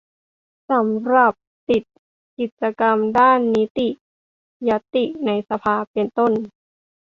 สำหรับติดตามกิจกรรมด้านนิติญัตติในรัฐสภา เป็นต้น